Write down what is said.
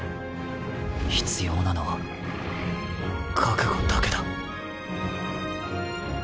必要なのは覚悟だけだ